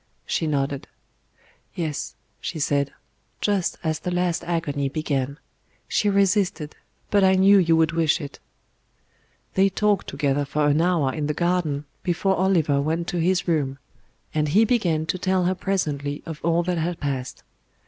She nodded. "Yes," she said; "just as the last agony began. She resisted, but I knew you would wish it." They talked together for an hour in the garden before Oliver went to his room; and he began to tell her presently of all that had passed.